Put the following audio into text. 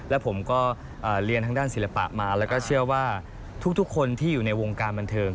และผมก็เรียนทางด้านศิลปะมาแล้วก็เชื่อว่าทุกคนที่อยู่ในวงการบันเทิง